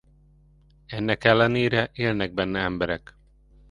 Ennek ellenére élnek benne emberek.